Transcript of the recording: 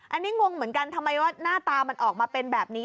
อันนี้งงเหมือนกันทำไมว่าหน้าตามันออกมาเป็นแบบนี้